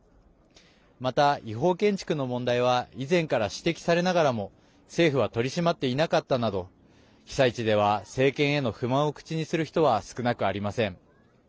また、違法建築の問題は以前から指摘されながらも政府は取り締まっていなかったなど被災地では政権への不満を口にする人は少なくありません。